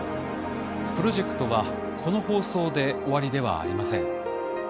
プロジェクトはこの放送で終わりではありません。